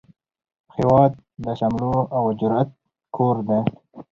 هیواد د شملو او جرئت کور دی